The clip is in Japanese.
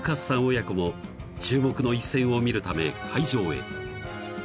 親子も注目の一戦を見るため会場へ］